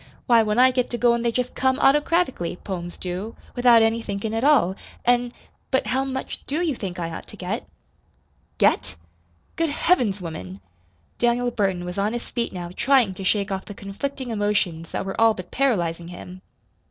Why, when I get to goin' they jest come autocratically poems do without any thinkin' at all; an' But how much DO you think I ought to get?" "Get? Good Heavens woman!" Daniel Burton was on his feet now trying to shake off the conflicting emotions that were all but paralyzing him.